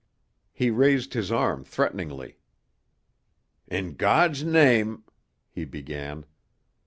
He raised his arm threateningly. "In God's name " he began.